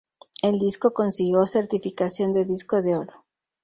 El disco consiguió certificación de disco de oro.